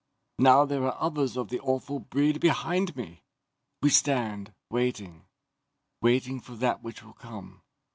"Now there are others of the awful breed behind me. We stand, waiting, waiting for that which will come.